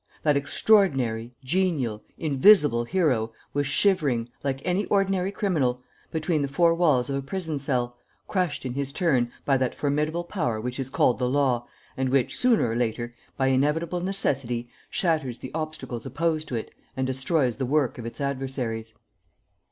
That extraordinary, genial, invisible hero was shivering, like any ordinary criminal, between the four walls of a prison cell, crushed in his turn by that formidable power which is called the law and which, sooner or later, by inevitable necessity shatters the obstacles opposed to it and destroys the work of its adversaries.